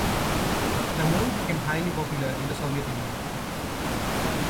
The movie became highly popular in the Soviet Union.